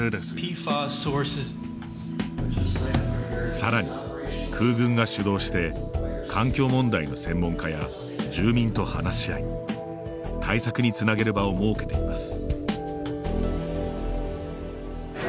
さらに、空軍が主導して環境問題の専門家や住民と話し合い対策につなげる場を設けています。